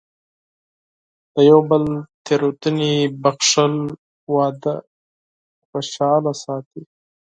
د یو بل تېروتنې بښل، واده خوشحاله ساتي.